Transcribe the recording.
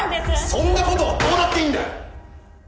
そんな事はどうだっていいんだよ！